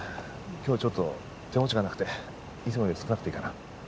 今日ちょっと手持ちがなくていつもより少なくていいかな。